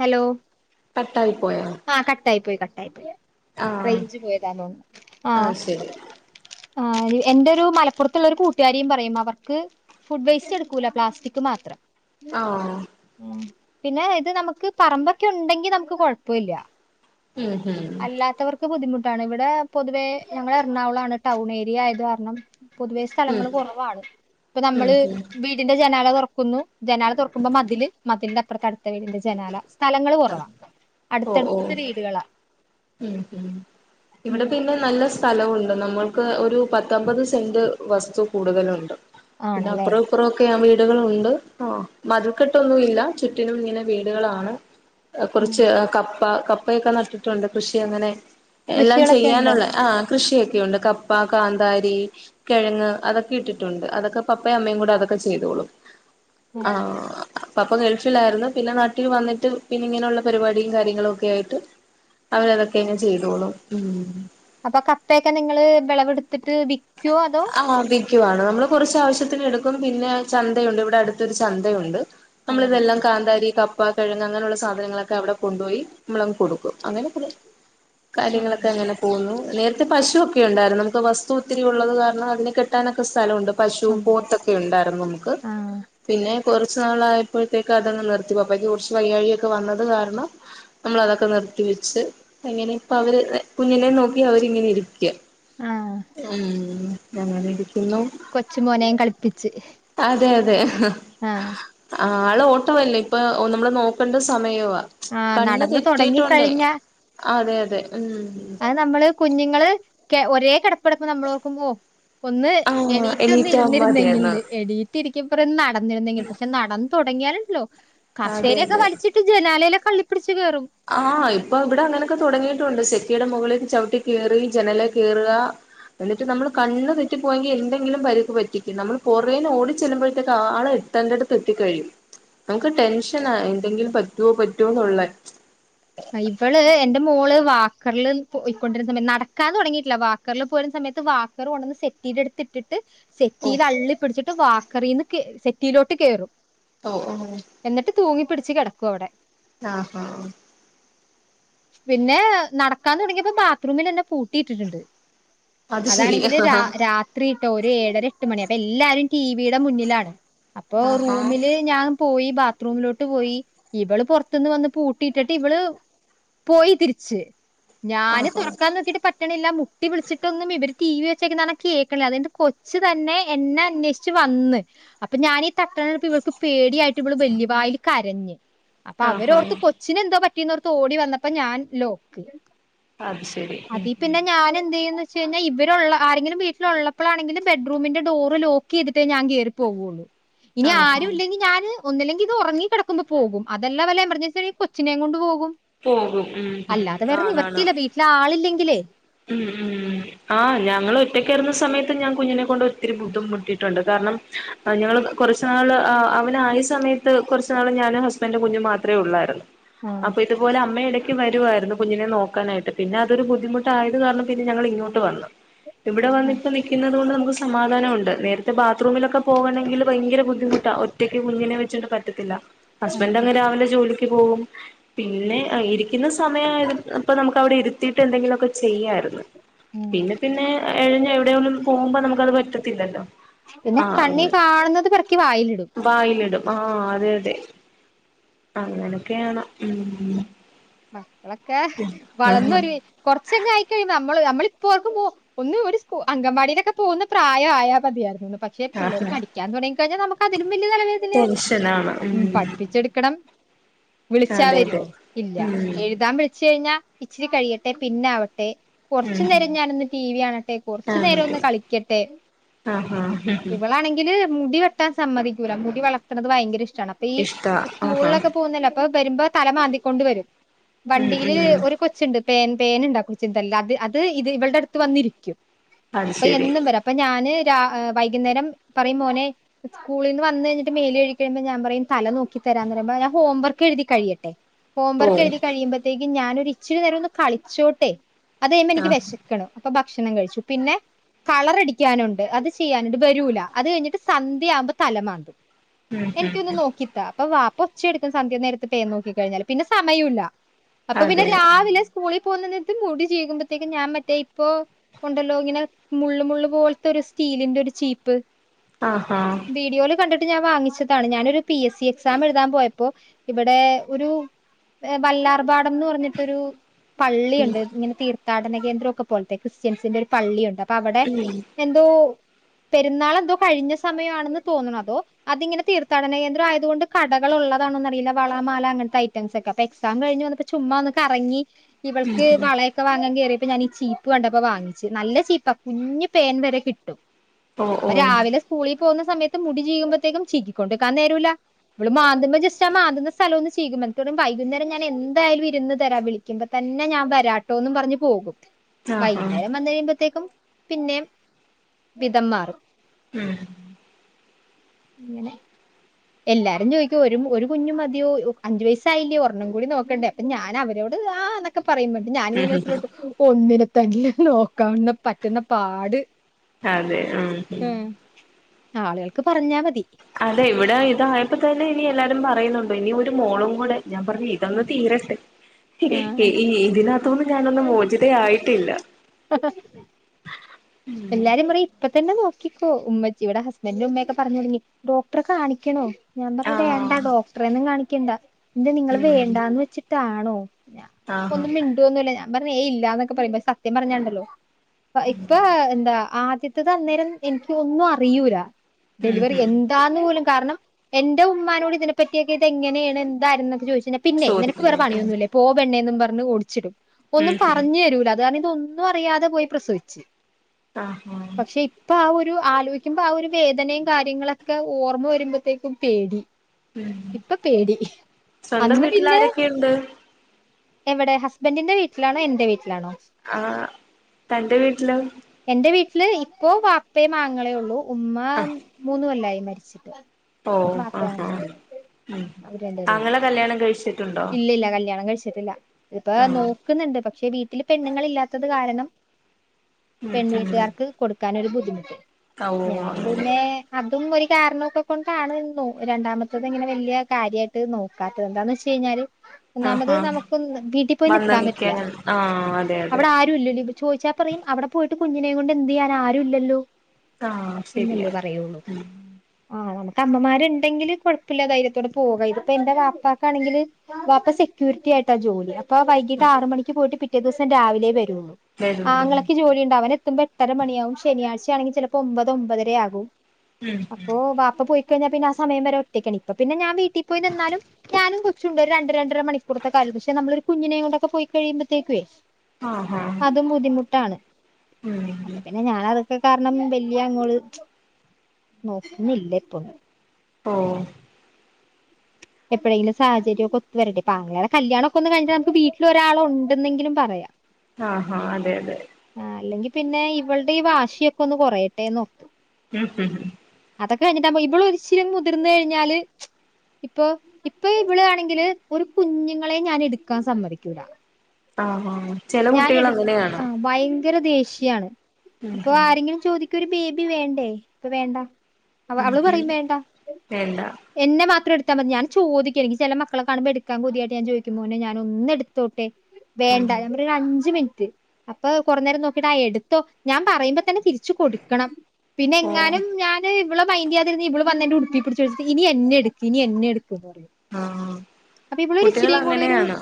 Hello കട്ടായി പോയോ ആ കട്ടാ യി പോയി ക [unintelligible] റൈ ആഹ് ഞ്ച് പോയതാ ണോ? ആഹ ആഹ് ശരി ആ എന്റെ രു മലപ്പുറത്തുള്ള ഒരു കൂട്ടുകാരീം പറയും അവർക്ക് ഫുഡ് വേസ്റ്റ് എടുക്കൂല പ്ലാസ്റ്റിക് മാത്രം ആഹ് [inaudible] പിന്നെ ഇത് നമുക്ക് പറമ്പൊക്കെ ഉണ്ടെങ്കി നമുക്ക് കൊ ഴപ്പ ഇല്ല ഉം ഉം ബുദ്ധിമുട്ടാണ് ഇവിടെ പൊതുവെ ഞങ്ങ എറണാകുളാണ് ടൗൺ ഏരിയ ആയത് കാർ ണം പൊതുവെ ഉം സ്ഥലങ്ങൾ കു റവാണ് ഇപ്പൊ ഉം നമ്മള് ഉം വീടിന്റെ ജനാല തോ [unintelligible] ജനാല തൊ ർ ക്കുമ്പോ മതില് മതില്ലപ് പ കർത്തവിരിന്റെ ജനാ ല സ്ഥലങ്ങൾ കുറവാ ഓ അടുത്തടുത്ത് ഓ വീടുകളാ ഉം ഇവിടെ പിന്നെ നല്ല സ്ഥലവുംണ്ട് നമ്മൾക്ക് ഒരു പത്തൊമ്പത് സെന്റ് വസ്തു കൂടുതലുണ്ട് പിന്നെ ആണല്ലേ അപ്പുറോം ഇപ്പുറോ ക്കെ വീട് കൾ ഉണ്ട് ആ മതിൽക്കെട്ടൊന്നും ഇല്ല ചുറ്റിനും ഇങ്ങനെ വീടുകളാണ് കുറച്ച് ക പ്പ കപ്പയൊക്കെ നട്ടിട്ടുണ്ട് കൃഷി അങ്ങനെ എല്ലാം കൃഷികളൊക്കെ ചെയ്യാനുള്ള ഉണ്ടോ ആ കൃഷിയൊക്കെയുണ്ട് കപ്പ കാന്താരി കിഴങ്ങ് അതൊക്കെ ഇട്ടിട്ടുണ്ട് അതൊക്കെ പപ്പേം അമ്മേം കൂടെ അതൊക്കെ ചെയ്തോളും ആഹ പപ്പാ ഗൾഫിലായിരുന്നു പിന്നെ നാട്ടീ വന്നിട്ട് പിന്നെ ഇങ്ങനെയുള്ള പരിപാടും കാര്യങ്ങളൊ ക്കേ ആയിട്ട് അവരതൊക്കെ ങ്ങനെ ചെയ്തോളും ഉം അപ്പൊ കപ്പയൊക്കെ നിങ്ങള് വിളവെടുത്തിട്ട് വി ആ വിക്കുവാണ് നമ്മള് കൊറച്ച് ആവശ്യത്തിന് എടുക്ക ക്കും പിന്നെ ചന്തയുണ്ട് ഇവിടെ അടുത്തൊരു ചന്തയുണ്ട് നമ്മള് അവിടെ ഇതെല്ലാം വിക്കും കാന്താരി കപ്പ കിഴങ്ങ് അങ്ങനെയുള്ള സാധനങ്ങളൊക്കെ അവിടെ കൊണ്ടുപോയി നമ്മളങ്ങ് കൊടുക്കും അങ്ങനെ കാര്യങ്ങളൊക്കെ ആഹ് എങ്ങനെ പോകുന്നു നേരത്തെ പശു ഒക്കെ ഉണ്ടായിരുന്നു നമുക്ക് വസ്തു ഒത്തിരി ഉള്ളത് കാരണം അതിനെ കെട്ടാനൊക്ക സ്ഥലമുണ്ട് പശു ഉണ്ട് പോത്തൊക്കെ ഉണ്ടായിരുന്നു നമുക്ക് ആഹ് പിന്നെ കുറച്ച് നാളായപ്പോഴത്തേക്ക് അതങ്ങ് നിർത്തി പാപ്പാക്ക് കുറച്ച് വയ്യാഴിയൊക്കെ വന്നത് കാരണം നമ്മള് അതൊക്കെ നിർത്തി വെച്ച് അങ്ങനെ ഇപ്പ അവര് കുഞ്ഞിനെ നോക്കി അവരിങ്ങനെ ഇരിക്കുകാ ഉം നെ കൊച്ച് മോനെയും കളിപ്പിച്ച് അതേ ആഹ് ആള് ഓട്ടമല്ലേ ഇപ്പൊ നമ്മള് നോക്കേണ്ട സമയവ്വാ ആഹ് കണ്ണ് നടന്ന് തെറ്റിയിട്ടൊണ്ടേ തൊടങ്ങിക്കഴിഞ്ഞ അതെ അതെ ഉം അത് നമ്മള് കുഞ്ഞുങ്ങള് ഒരേ കെടപ്പ്കെടക്കുമ്പോ നമ്മൾ നോക്കുമ്പോ ഒന്ന് ആഹ് എണീറ്റ് ഒന്ന് എണീറ്റാ ഇരുന്നിരുന്നെങ്കിൽ മതിയായിരുന്നു എണീറ്റ് ഇരി ഈ പറയുന്ന ആക്ടീവ് നടന്നിരുന്നെങ്കിൽ പക്ഷേ നടന്ന തുടങ്ങിയാനല്ലോ കസേരയൊക്കെ വലിച്ചിട്ട് ജനാലയിലക്കെ കളളിപിടിച്ച് ആ ഇപ്പൊ ഇവിടെ അങ്ങനൊക്കെ തൊടങ്ങിയിട്ടുണ്ട് സെറ്റ് കുട്ടിയുടെ മുകളിലേക്ക് ചവിട്ടി കയറി ജനലേ കയറുക എന്നിട്ട് നമ്മൾ കണ്ണ് തെറ്റി പോയെങ്കിൽ എന്തെങ്കിലും പരിക്ക് പറ്റിക്കും നമ്മൾ പുറേ ഓടി ചെല്ലുമ്പോഴത്തേക്ക് ആള് എത്തേണ്ടടുത്ത് എത്തി കഴിയും നമുക്ക് ടെൻഷനാ എന്തെങ്കിലും പറ്റുവോ പറ്റുവോ എന്നുള്ള ഇവള് എന്റെ മോള് വാക്കറിൽ പോയിക്കൊണ്ടിരുന്ന സയത്ത് നടക്കാന് തുടങ്ങിയിട്ടില്ല വാക്കറില് പോയിരുന്ന സമയത്ത് വാക്കർ ഉണ്ടന്ന് സെറ്റീ അടുത്ത് ഇട്ടിട്ട് ഓഹ് സെറ്റീൽ അള്ളി പിടിച്ചിട്ട് വാ കറിന്ന് കെ സെറ്റിയിലോട്ട് കേറും ഓ ഓ എന്നിട്ട് തൂങ്ങി പിടിച്ച് കെടക്കും നിക്വവിടെ ആഹ് ഹാ പിന്നെ നടക്കാൻ തുടങ്ങിയപ്പോ ബാത്റൂമിൽ എന്നെ പൂട്ടിയിട്ടിട്ടുണ്ട് അത് ശരി അതാണെങ്കില് ര ആഹാ രാത്രി ഇട്ടോ ഒരു ഏഴര എട്ട് മണി അപ്പൊ എല്ലാരും ടിവിയുടെ മുന്നിലാണ് അപ്പോ ആഹാ റൂമില് ഞാൻ പോയി ബാത്റൂമിലോട്ട് പോയി ഇവള് പുറത്തുന്ന് വന്ന് പൂട്ടിയിട്ടട്ട് ഇവള് പോയി തിരിച്ച് ഞാന് ആഹാ തുറക്കാൻ നോക്കിട്ട് പറ്റണില്ല മു തട്ടി വിളിച്ചിട്ടൊന്നും ഇവര് ടി വി വെച്ചേക്ക്ന്നെ കാരണം കേക്കണില്ല അത്കയിഞ്ഞ്ട്ട് കൊച്ചുതന്നെ എന്നെ അന്വേഷിച്ച് വന്ന് അപ്പൊ ഞാനീ തട്ട്ന്നേട്ട് ഇവള്ക്ക് പേടിയായി ഇവള് വല്ല്യ വായിൽ കരഞ്ഞ് അപ്പൊ ആഹാ അവരോർത്ത് കൊച്ച് ക്കാ പറ്റീന്നോർത്ത് ഓടി വന്നപ്പം ഞാൻ ലോക്ക് അത് ശരി അതീ ഉം പിന്നെ ഞാന് എന്തെയ്യു ച്ചെന്നേ ഇവരുള്ള ആരെങ്കിലും വീട്ടിലുള്ളപ്പളാണങ്കിലും ബെഡ്റൂമിന്റെ ഡോർ ലോക്കെയ്തിട്ടേ ഞാൻ കേറി പോവുള്ളൂ ഇനി ആഹാ ആരും ഇല്ലെങ്കി ഞാന് ഒന്നില്ലെങ്കിൽ ഇത് ഒറങ്ങികെടക്കുമ്പൊ പോകും അതല്ല വല്ല എമർജൻസിയാണെ കൊ ച്ചിനെ കൊണ്ട് പോകും പോകും ഉം ഉം അല്ലാതെ വേറെ ആണാണ് നിവർത്തിയില്ല വീട്ടിലാളില്ലെ ഇല്ലെ ഉം ഉം ആ ഞങ്ങൾ ഒറ്റക്കായിര്ന്ന സമയത്ത് ഞാൻ കുഞ്ഞിനെ കൊണ്ട് ഒത്തിരി ബുദ്ധിമുട്ടിട്ടുണ്ട് കാരണം ആ ഞങ്ങള് കൊറച്ച്നാള് ആ അവനായെ സമയത്ത് കൊറച്ച്നാള് ഞാന് ഹസ്ബന്റ് കുഞ്ഞു മാത്രേ ഒള്ളായിരുന്നു അപ്പൊ ആഹ് ഇതുപോലെ അമ്മ ഇടക്ക് വരുവായിരുന്നു കുഞ്ഞിനെ നോക്കാനായിട്ട് പിന്നെ അതൊരു ബുദ്ധിമു ട്ടായത് കാരണം പിന്നെ ഞങ്ങള് ഇങ്ങോട്ട് വന്നു ഇവിടെ വന്നിപ്പോ നിക്കിന്നത് കൊണ്ട് നമുക്ക് സമാധാനൊണ്ട് നേര റ്റെ ബാത്റൂമിലൊക്കെ പോവണെങ്കില് ഭയങ്കര ബുദ്ധിമുട്ടാ ഒറ്റയ്ക്ക് കുഞ്ഞ്നെ വെച്ചിട്ട് പറ്റത്തില്ല ഉം ഹസ്ബന്റങ്ങ് രാവിലെ ജോലി ക്കു പോവും പിന്നെ ആ ഇരി പിന്നെ സമയായത് ഇപ്പം നമുക്ക് അവിടെ ഇര് ത്തിട്ടുണ്ടങ്കിലൊക്കെ ചെയ്യായിരുന്ന് പിന്നെ പിന്നെ എഴഞ്ഞ് എവിടെയൊന്നന്നും പോകുമ്പോ നമു ഇത്അത് പറ്റത്തില്ലല്ലോ പിന്നെ ആ കണ്ണി അങ്ങനെ കാണ്ന്നത് പെറുക്കി വായിലിടും വായിലിടും ആ ഉം അതെ അതെ അങ്ങനൊക്കെയാണ് ഉം മക്കളൊക്കെ ആ വളർന്നൊരു കൊറ്- ച്ചങ്ങായിക്കഴിയുമ്പോ നമ്മള് നമ്മള് ഇപ്പോ ഓർക്കുമ്പൊ ഒന്ന് ഒരു സ്കു അങ്കൻവാടിയിലൊക്കെ പോവുന്ന പ്രായം ആയാമതിയായിരുന്നൂന്ന് പക്ഷെ പിള്ളേര് ആ പഠിക്കാൻ തൊടങ്ങിക്കഴിഞ്ഞൽ നമുക്ക് അതിലും വല്ല്യയ തലവേദനെ ഉം പഠിപ്പിച്ചെടുക്കണം വിളിച്ചാ അതെ അതെ വരുവോ ഇല്ല ഉം എഴുതാൻ വിളിച്ചഴിഞ്ഞാ ഇച്ചിരി കഴിയട്ടെ പിന്നാവട്ടെ കൊറ്ച്ച് ഉം നേരം ഞാനൊന്ന് ടി വി കാണട്ടെ കൊറ്ച്ച് നേരൊന്ന് ആണല്ലേ കളിക്കട്ടെ ആഹാ ഹ് ഹ് ഇവളാണെങ്കില് മുടി വെട്ടാൻ സമ്മതിക്കൂല മുടി വളർണുന്നത് ഭയങ്കര ഇഷ്ടം ഈ ഇഷ്ടാ ആഹാ സ്കൂളിലൊക്കെ പോകുന്ന ഇപ്പ വരുമ്പോ തലമാന്തിക്കൊണ്ട് വരും ഉം വണ്ടിയില് ഉം ഒരു കൊച്ചുണ്ട് പേൻ പേനുണ്ടാ കുറച്ച്ിന്തല്ല അത് അത് ഇത് ഇവളടെ അടുത്ത് വന്നിരിക്കും അത് അപ്പൊ ശരി എന്നും വരാ അപ്പൊ ഞാന് വൈകുന്നേരം പറയും മോനെകൂള നിന്ന് വന്ന് കഴിട്ട് മേലൽഴ കഴിയ്പോ ഞാൻ പറയും തല നോക്കി തരാന്ന് പറുമ്പോ ഞാൻ ഹോംവർക്ക് എഴുതി കഴിയട്ടെ ഓ ഹോംവർക്ക് എഴുതി കഴിയ്പഴേും ഞാന ഒരു ഇച്ചി നേരം ഒന്ന് കളിച്ചോട്ടെ അത് കഴിയുമ്പോ എനിക്ക് ആഹ് വിശക്കണം അപ്പൊ ഭക്ഷണം കഴിച്ചു പിന്നെ കളർടിക്കാനുണ്ട് അത് ചെയ്യാനുണ്ട് വരൂല അത് കഴിഞ്ഞിട്ട് സന്ധ്യ ആവുമ്പോ തല മാന്തം ഉം എനിക്ക് ഉം ഒന്ന് നോക്കിതാ അപ്പ വാപ്പച്ചെടുക്കും സന്ധ്യ നേരത്ത്‌ പേൻ നോക്കി കഴിഞ്ഞൽ പിന്നെ സമയമില്ല അപ്പൊ പിന്നെ അതെ രാവിലെ സ്കൂളിൽ പോകുന്നതിന് ഇത് മുടി ചീകുംമ്പോഴത്തേക്കും ഞാൻ മറ്റേ ഇപ്പൊ ഉണ്ടല്ലോ ഇങ്ങനെ മുള്ള് മുള്ള് പോലത്തെ ഒരു സ്റ്റീലിന്റെ ഒരു ചീപ്പ് ആ ഹാ വീഡിയോയിൽ കണ്ടിട്ട് ഞാൻ വാങ്ങിച്ചതാണ് ഞാനൊരു പി എസ് സി എക്സാം എഴുതാൻ പോയപ്പോ ഇവിടെ ഒരു വല്ലാർബാട് പറഞ്ഞിട്ടൊരു പള്ളിയുണ്ട് ഇങ്ങനെ തീർ- തീർതാടനകന്ദ്രം ഒക്കെ പോലത്തെ ക്രിസ്ത്യൻസിന്റെ ഒരു പള്ളിയുണ്ട് അ അവിടെ എന്തോ പെരുന്നാൾ എന്തോ കഴിഞ്ഞ സമയമാണെന്ന് തോന്നണ് അതോ അതിങ്ങനെ തീർത്ഥാടന കേന്ദ്ര ആയതുകൊണ്ട് കടകൾ ഉള്ളതാണന്ന അറിയില്ല വളമാല അങ്ങനത്തെ ഐ എക്സാം കിഞ്ഞ് വന്നപ്പോ ചുമ്മാ ഒന്ന് കറങ്ങി ഇവൾക്ക് വളയൊക്കെ വാങ്ങാൻ കേറി അപ്പ ഞാൻഈ ചീപ്പ് കണ്ടപ്പോ വാങ്ങിച്ചു നല്ല ചീപ്പാ കുഞ് പേൻ വരെ കിട്ടും ഓ ഓ രാവിലെ സ്കൂളിൽ പോകുന്ന സമയത്ത് മുടി ചീകുംമ്പോത്തേക്കും ചീക്കി കൊണ്ടിരിക്കാൻ നേരൂല ഇമ്മള് മാതുമ്പം ജസ്റ്റ് ആ മന്ത്തുന്ന സ്ഥലം ഒന്ന് ചീകുമ്പ വൈകുന്നേരം ഞാൻ എന്തായാലും ഇരുന്ന് തരാ വിളികുമ്പ തന്നെ ഞാൻ വരാട്ടോന്ന് പറഞ്ഞു പോകും ആഹാ വൈകുന്നേരം വന്ന് കഴിയുമ്പോത്തേക്കും പിന്നെ വിതംമാറി ഉം അങ്ങനെ എല്ലാരും ചോദിക്കും ഒരു കുഞ്ഞു മതിയോ അഞ്ചു വയസായില്ലോ ഒരെണ്ണം കൂടി നോക്കണ്ടേ അപ്പൊ ഞാൻ അവരോട് ആന്നൊക്കെ പറയുമ്പത്തിന് ഞാനിങ്ങനെ ഉം മനസില് ഉം ഓർക്കും ഒന്നിനെ തന്നെ നോക്കാവുന്ന പറ്റുന്ന പാട്, അതെ ഉം ആളുകൾക്ക് പറഞ്ഞാ മതി അതെ ഇവിടെ ഇതായപ്പോ തന്നെ ഇനി എല്ലാരും പറയുന്നുണ്ട് ഇനി ഒരു മോളും കൂടെ, ഞാൻ പറഞ്ഞു ഇതന്ന് തീരട്ടെ ആ [unintelligible] തോന്ന്ന്ന് ഞാനൊന്നും മോചിതയായിട്ടില്ല എല്ലാരും പറയും ഇപ്പ തന് ന്നെ നോക്കിക്കോ, ഉമ്മച്ചി ഇവിടെ ഹസ്ബൻഡന്റെ ഉമ്മയൊക്കെ പറഞ്ഞ് തൊടങ്ങി ഡോക്ടറെ കാണിക്കണോ ഞാൻ പറഞ്ഞു വേണ്ട ആഹ് ഡോക്ടറെന്നും കാണി ക്ക്യണ്ടാ. എന്തേ നിങ്ങൾ ഉം വേണ്ടാന്ന് വെച്ച് ട്ടാണോ ആഹാ ഞാൻപ്പൊന്നുംമിണ്ടോന്നുല്ല ഞാ [unintelligible] പറഞ്ഞ ഏ ഇല്ലാന്നൊക്കെ പറയും സത്യം പറഞ്ഞുണ്ടല്ലോ ഇപ്പ ഇപ്പൊ ആദ്യത്തത് അന്നേരം എനിക്ക് ഒന്നും അറിയൂല ഉം ഡെലിവറി ഉം എന്താന്നു പോല കാരണം എന്റെ ഉമ്നോട് ഇതിനെപ്പറ്റിയൊക്കെ ഇത് എങ്ങനെയാണ് എന്തായിര എന്നൊക്കെ ചോദിച്ചു [unintelligible] പി പിന്നെ നിനക്ക് വേറെ ചോദിക്കുന്നേ പണിയൊന്നുമല്ലേ പോ പെണ്ണ [unintelligible] പറഞ്ഞുടിച്ചിടും ഒന്നും ഉം ഉം പറഞ് തരൂല അത കാര [unintelligible] ഒന്നും അറിയാതെ പോയി പ്രസവിച്ച് ആഹാ പക്ഷെ ഇപ്പ ആ ഓ ആലോചിക്കുമ്പ ആ ഒരു വേദനയും കാര്യങ്ങളൊക്കെ ഓർമ്മ വരുമ്പോത്തേക്കും പേടി ഉം ഇപ്പൊ പേടി സ്വന്തം അന്ന് വീട്ടിൽ പിന്നെ ആരൊക്കെയുണ്ട് എവിടെ ഹസ്ബൻറിന്റെ വീട്ടിലാണോ എന്റെ വീട്ടിൽ ആ തന്റെ വീട്ടില് എന്റെ വീട്ടില് ഇപ്പോ പാപ്പയേ മാങ്ങേള ഉള്ളൂ ഉമ്മ ആ മൂന്നുമല്ലായി മരിച്ചിട്ട് ഓ ആ വാപ്പയും ആങ്ങളേം ഉ അവര് രണ്ടുപേരേ ഉള്ളൂ താങ്കെളെ കല്യാണം കഴിച്ച ഇല്ല ഇല്ല കല്യാണം കഴിച്ച ട്ടില്ല ഇപ്പ ആ നോക്കുന്നുണ്ട് പക്ഷെ പക്ഷെ വീട്ടില് പെണ്ണുങ്ങൾ ഇല്ലാത്തത് കാരണം ഉം ഉം പെൺവീട്ടുകാർക്ക് കൊടുക്കാൻ ഒരു ബുദ്ധി ഉെ ഓ ഞാൻ അങ്ങനെ പിന്നെ അതും ഒരു കാരണമൊക്കെ കൊണ്ടാണ് രണ്ടാമത്തത് ഇങ്ങനെ വലിയ കാര്യമായിട്ട് നോക്കാത്തത് എന്താന്ന് വെ കഴിഞ്ഞാല് ഓനമത് ആഹാ നമുക്ക് വീട്ടിൽ പോയി വന്ന് നിക്കാൻ പറ്റില്ല ആ അതെ അതെ അവിടെ ആരും ഇല്ലല്ലോ ഇ ചോദിച്ചാൽ പറയും അവിടെ പോയിട്ട് കുഞ്ഞിനെ കൊണ്ട് എന്ത് ചെയ്യാൻ ആരുും ഇല്ലല്ലോ ആ ഇല്ലേ ശരിയാ പറയുള്ളൂ ആ നമുക്ക് അമ്മമാര്ണ്ടെങ്കില് കൊഴപ്പില്ല ധൈര്യത്തോടെ പോക ഇതിപ്പൊ എന്റെ വാപ്പ ണെങ്കില് വാപ്പ സെക്യൂരിറ്റിയായിട്ടാ ജോലി അപ്പ വൈകിട്ട് ആറ്മണിക്ക് പോയിട്ട് പിറ്റേ റ്റേ ദീസം രാവിലെ വരും വരും ആങ്ങളക്ക് ജോലി ഉണ്ട് അവനെത്തുമ്പോ എട്ടര മണിയാവും ശനിയാഴ്ച ണെങ്കി ചെലപ്പോ ഒമ്പത് ഒമ്പതരെ ആകും ഉം അപ്പൊ വാപ്പ പോയി കയ്ഞാ പിന്നാ സമയംവര ഒറ്റക്കാണ് ഇപ്പ പിന്ന ഞാ വീ ട്ടീപ്പോയി നിന്നാലും ഞാനും കൊച്ചുണ്ട് ഒരു രണ്ട് രണ്ടരമണിക്കൂറത്തെക്കൊലും പക്ഷെ നമ്മളൊരു കുഞ്ഞിനെം കൊണ്ടൊക്ക പോയ്ക്കഴിയുമ്പള്ത്തേക്ക ആ ഹാ ഹാ ട്ടാണ് ഉം കാരണം വല്യ അങ്ങോള് നോക്കുന്നില്ല ഇപ്പൊന്നും ഓ എപ്പോഴെങ്കിലും സാഹചര്യക്കെ ഒത്തു വരട്ടെ പ്പാങ്ങളടെ കല്യാണൊക്കെ ഒന്ന് കഴിഞ്ഞ നമുക്ക് വീട്ടിൽ ഒരാളൊണ്ടെന്നെങ്കിലും പറയാം ആഹ ഹാ അതെ അതെ ആ അല്ലെങ്കി പിന്നെ ഇവളുടെ ഈ വാശിയൊക്കെ ഒന്ന് കൊറയട്ടെന്ന് നോക്കു ഉം അതൊക്കെ കഴഞ്ഞിട്ടാ ഇവള ഒച്ചരി മുതിർന്ന കഴിഞ്ഞാല് ഇപ്പൊ ഇപ്പൊ ഇവള് ആണെങ്കില് ഒരു കുഞ്ഞുങ്ങളെ ഞാൻ എടുക്കാൻ സമ്മതിക്കൂല ആ ആ ചെല ഞാൻ കുട്ടികൾ എടു അങ്ങനെയാണ് ആഹ് ഭയങ്കര ദേഷ്യാണ് ഉം അപ്പൊ ഉം ആരെങ്കിലും ചോദിക്ക ക്കൊ ഒരു ബേബി വേണ്ടേ ഇപ്പൊ വേണ്ട അവ ഉം അവള് ഉം പറയും വേണ്ട വേണ്ട എന്നെ മാത്രം എടു ഞൻ ചോദിക്കു എനിക്ക് ചെല മക്കളെ കാണുമ്പോ എടുക്കാ കൊതിയായിട്ട് ഞാൻ ചോദിക്കും മോനെ ഞാനൊന്നെടുത്തോട്ടെ ഉം വേണ്ട അഞ്ച് മിനിറ്റ് അപ്പൊ കൊറ നേരം നോക്കിട്ടാ എടുത്തോ ഞാൻ പറയുമ്പോ തന്നെ തിരിച്ചു കൊടുക്കണം പിന്നെ ഓ എങ്ങാനും ഞാന് ഇവ്ളെ മൈന്റ്യാതിരുന്നാ ഇവിള് വന്നന്റെ ഉടുപ്പി പിടിച്ച്ച്ചീട്ട് ഇനി എന്നെ എടുക്ക ഇനി എന്നെ എടു ആ അപ്പ കുട്ടികൾ ഇവളൊരിച്ചിരീം കൂടി ഒരു അങ്ങനെയാണ്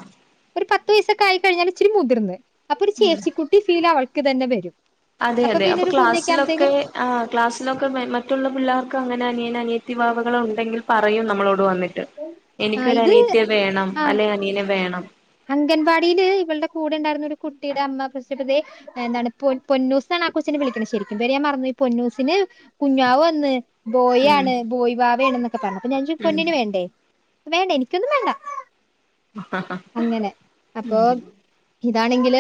പ ത്തുവയസെക്കായി കയിഞ്ഞാല് ച്ചിരി മുതിർന്ന് അപ്പൊ ഒരു ചേച്ചിക്കുട്ടി ഫീല് ആവ തന്നെ വരും അതെ അതെ പിന്നെ അപ്പൊ ഒരു കുഞ്ഞൊക്കെ ക്ലാസ്സിലൊക്കെ ആകുമ്പത്തേക്കും ആ ക്ലാസ്സിലൊക്കെ മറ്റുള്ള പിള്ളേർക്ക് അങ്ങനെ അനിയൻ അനിയത് വാവുകൾ ഉണ്ടെങ്കിൽ പറയും നമ്മളോട് വന്നിട്ട് ആ എനിക്കൊരു ഇത് അനിയത്തിയെ വേണം ആ അല്ലെ അനിയനെ വേണം അംഗൻവാടിയില് ഇവളടെ കൂടെ ഉണ്ടായിരുന്നരു കുട്ടിയുടെ അമ്മ പ്രശ്നപ്പെേ എന്താണ് പൊ പൊന്നൂസ്ാണ് ആ കൊച്ചെ വിളിക്കണ ശരിക്കും പേര് ഞാൻ മറന്നു ഈ പൊന്നൂസിന് കുഞ്ഞാവ് വന്ന് ഉം ബോയാണ് ബോയിവാവ ആണ് എന്നൊക്കെ പറഞ്ഞത് അപ്പൊ ഞാൻ ഉം പൊന്നിന് വേണ്ട വേണ്ട എനിക്കൊന്നും വേണ്ട അങ്ങനെ അപ്പൊ ഉം ഇതണെങ്കിൽ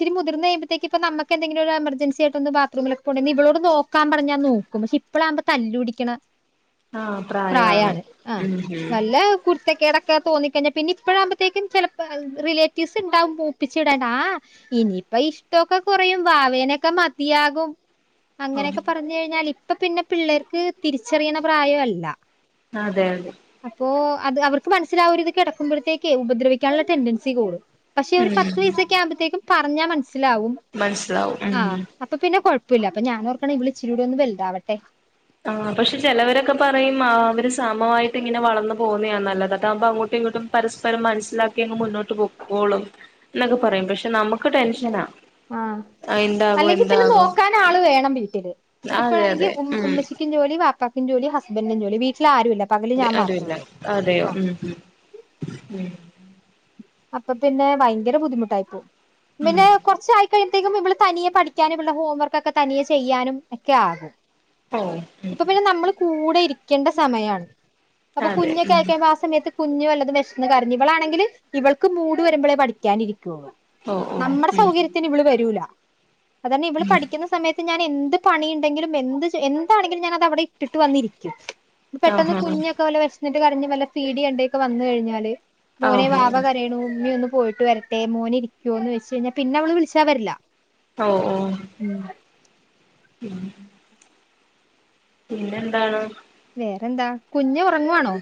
ഇിരി മുതിർന്നഴിയ്പഴത്തേക്ക ഇപ്പ നമുക്ക എന്തങ്കിലും ഒരു എമർജൻസി ആട്ട്ൊന്ന് ബാത്റൂമിലൊെ പോണം ഇവളോട് നോക്കാൻ പറഞ്ഞാ നോക്കും പക്ഷെ ഇപ്പഴാവുമ്പോ തല്ലൂടിക്കണം ആഹ പ്രായമാണ് ഉം ഹും ഇഷ്ടക്കടൊക്കെ തോന്ന കഴിഞ്ഞാൽ പിന്നെ ഇപ്പഴാകുമ്പോത്തേക്കും ചിലപ്പോ റിലേറ്റീവ്സ് ഉണ്ടാവും പൂപ്പിച്ചിടണ്ടാ ഇനിയിപ്പ ഇഷ്ടമൊക്കെ കുറയും വാവേനൊക്കെ മതിയാകും ഓ അങ്ങനെയൊക്കെ പറഞ്ഞു കഴിഞ്ഞാൽ ഇപ്പൊ പിന്നെ പിള്ളേർക്ക് തിരിച്ചറിയണ പ്രായമല്ല അതെ അതെ അപ്പൊ അത് അവർക്ക് മനസ്സിലാവരു ഇത് കിടക്കുമ്പോഴത്തേക്കേ ഉപദ്രവിക്കാനുള്ള ടെൻഡൻസി കൂടും പക്ഷെ ഒരു ഉം പത്ത് പയസൊക്ക ആകുമ്പത്തേക്കും പറഞ്ഞ മനസ് മനസിലാവും മനസ്സിലാവും ആ ഉം അപ്പൊ പിന്നെ കൊഴ അപ്പില്ല ഞാൻ ഞാനോർക്കണെ ഇവൾ ഇച്ചിരി കൂടെ ഒന്ന് വലുതാവട്ടെ ആ പക്ഷെ ചിലവരൊക്കെ പറയും അവര് സാമമായിട്ട് ഇങ്ങനെ വളർന്നു പോകുന്നതാണ് നല്ലത് അതാകുമ്പോ അങ്ങോട്ടും ഇങ്ങോട്ടും പരസ്പരം മനസ്സിലാക്കി അങ്ങ് മുന്നോട്ട് പോക്കോളും എന്നൊക്കെ പറയും പക്ഷെ നമുക്ക് ടെൻഷനാ ആ ആ എന്താകും അല്ലെങ്കിൽ പിന്നെ എന്താകും നോക്കാൻ ആള് വേണം വീട്ടില് അതെ ഇതിപ്പോഴാണെങ്കിൽ അതെ ഉം ഉമ്മച്ചിക്ക് ക്കും ജോലി വാപ്പാക്കും ജോലി ഹസ്ബൻ്റിനും ജോലി വീട്ടിൽ ആരും ഇ അ അരൂല്ല അതെയോ ഉം ഉം ഉം അപ്പൊ പിന്നെ ഭയങ്കര ബുദ്ധിമുട്ടായിപ്പോ ഉം പിന്നെ ഉം കൊറച്ച് ആയി കഴിഞ്ഞ അപ്പത്തേക്കും ഇവൾ തനിയെ പഠിക്കാനും ഇവൾടെ ഹോം വർക്ക് ഒക്കെ തനിയെ ചെയ്യാനും ഒക്കെ ആകും ഓ ഉം ഇപ്പൊ പിന്നെ നമ്മൾ കൂട കൂടെ ഇരിക്കേണ്ട സമയാണ് അപ്പൊ അതെ കുഞ്ഞക്കെ ഉം ആയി കഴിയുമ്പോ ആ സമയത്ത് കുഞ്ഞു വല്ലതും വിഷന്ന് കരഞ്ഞ ഇവളാണെങ്കിൽ ഇവൾക്ക് മൂട് വരുമ്പോഴേ പഠിക്കാനിരിക്കു ള്ള് ഓ ഓ നമ്മുടെ ഉം സൗകര്യത്തിന് ഇവള് വരൂല അതന്നെ ഇവള് പഠിക്കുന്ന സമയത്ത് ഞാൻ എന്ത് പണിയുണ്ടെങ്കിലും എന്ത് എന്താണെങ്കിലും ഞാന് അത് അവിടെ ഇട്ടിട്ട് വന്നിരിക്കും ഇനി പെട്ടെന്ന് ആഹാ കുഞ്ഞൊക്കെ വല്ല വിശ ഇന്നട്ട് പറഞ്ഞ് വല്ല സീഡി യെണ്ടേക്ക വന്ന് കഴിഞ്ഞാല് ഔ ഹോ. വ കരയുണൂ. ഉണ്ണിയൊന്നു പോയിട്ട് വരട്ടെ മോന് ഇരിക്കുവോന്ന് വെച്ച് കഴിഞ്ഞാൽ പിന്നെ അവള് വിളിച്ചാൽ വരില്ല. ഓ ഓ ഉം ഉം പിന്നെ എന്താണ്? വേറെന്താ കുഞ്ഞ് ഉറങ്ങുവാണോ?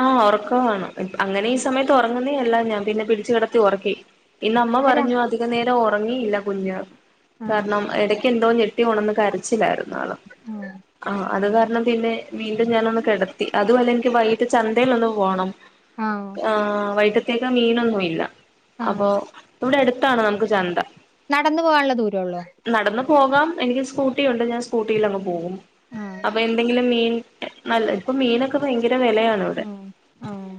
ആ. ഉറക്കവാണ്. [unintelligible] അങ്ങനെ ഈ സമയത്ത് ഉറങ്ങുന്നേ അല്ല. ഞാൻ പിന്നെ പിടിച്ച് കിടത്തി ഒറക്കി. ഇന്ന് അമ്മ അപ്പ രാ പറഞ്ഞു അധികം നേരം ഒ റങ്ങിയില്ല കുഞ്ഞ്. ആഹ് കാരണം ഇടയ്ക്ക് എന്തോ ഞെ ട്ടി ഒണന്ന് കരച്ചിലായിരു ന്നാള്. ആഹ് ആഹ് അത് കാരണം പിന്നെ വീണ്ടും ഞാനൊന്ന് കിടത്തി, അതുമല്ല എനിക്ക് വൈ ക്ക് ചന്തയിലൊന്ന് പോണം ആഹ് ആ വൈക പ്രത്യേക മീനൊന്നും ഇല്ല അപ്പൊ ആഹ് ഇവിടെ എടു- അടുത്താണ് നമുക്ക് ചന്ത നടന്നു പോകാനുള്ള ദൂരം കൊള്ളാം നടന്നു പോകാം എനിക്ക് സ്കൂട്ടിണ്ട് ഞാൻ സ്കൂട്ടിൽ അങ്ങ് പോകും ആഹ് അപ്പൊ എന്തെങ്കിലും മീൻ നല്ല ഇപ്പൊ മീനൊക്കെ ഭ- ഭയങ്കര വില ആണ് ഇവിടെ ആഹ് ആഹ്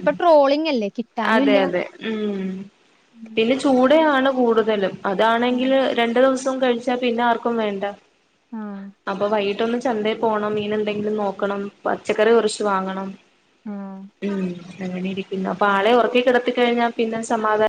ഇപ്പൊ ട്രോളിംഗ് അല്ലേ കിട്ടാനും ഇല്ല പിന്നെ ചൂട ആണ് കൂടുതലും അതാണെങ്കിൽ ആഹ് ദിവസം കഴിച്ചാ പിന്നെ ആർക്കും വേണ്ട ആഹ് അപ്പൊ വൈകിട്ടൊന്ന് ചന്ത പോണം മീന എന്തെങ്കിലും നോക്കണം പച്ചക്കറി കുറച്ച് വാങ്ങണം ആഹ് ഉം അങ്ങനെ ഇരി പിന്നെപ്പൊ ആളെ ഉറക്ക കിടത്തി കഴിഞ്ഞാ പിന്നെ സമാധാനം